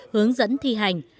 hướng dẫn thi hành